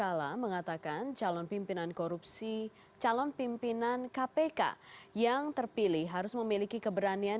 orang yang terasa ambil ditangkap yang tentu juga harus dilihat efek efeknya